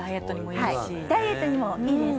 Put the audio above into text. ダイエットにもいいし。